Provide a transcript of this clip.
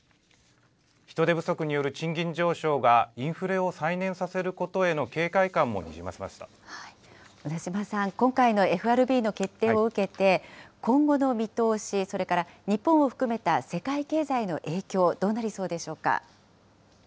人手不足による賃金上昇がインフレを再燃させることへの警戒感も小田島さん、今回のＦＲＢの決定を受けて、今後の見通し、それから日本を含めた世界経済への影響、どうなりそうでしょうか。